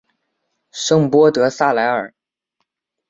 圣波德萨莱尔。